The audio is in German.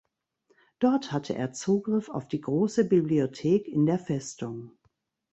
Dort hatte er Zugriff auf die große Bibliothek in der Festung.